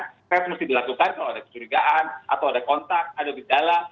tes mesti dilakukan kalau ada kecurigaan atau ada kontak ada gejala